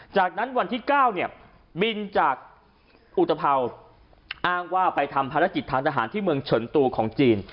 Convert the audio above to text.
จากนั้นวันที่๙เนี่ยบินจากอุตภัวร์อ้างว่าไปทำภารกิจทางทหารที่เมืองเฉินตูของจีน